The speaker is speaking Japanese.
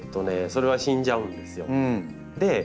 それは死んじゃうんですよ。